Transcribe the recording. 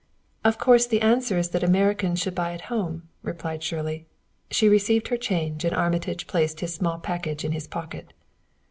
"Of course the answer is that Americans should buy at home," replied Shirley. She received her change, and Armitage placed his small package in his pocket.